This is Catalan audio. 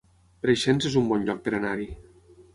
Preixens es un bon lloc per anar-hi